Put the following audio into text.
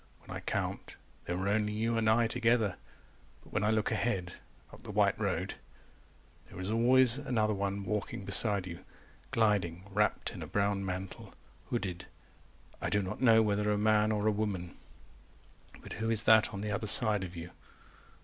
When I count, there are only you and I together 360 But when I look ahead up the white road There is always another one walking beside you Gliding wrapt in a brown mantle, hooded I do not know whether a man or a woman —But who is that on the other side of you?